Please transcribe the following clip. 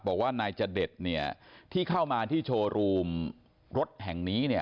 บอกว่านายจเดชเนี่ยที่เข้ามาที่โชว์รูมรถแห่งนี้เนี่ย